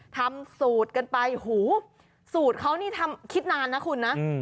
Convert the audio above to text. ทำสูตรกันไปหูสูตรเขานี่ทำคิดนานนะคุณนะ